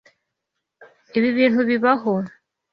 Ibi bintu bibaho.